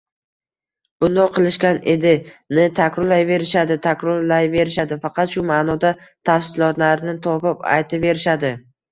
bundoq qilishgan edi»ni takrorlayverishadi, takrorlayverishadi, faqat shu ma’nodagi tafsilotlarni topib aytaverishadi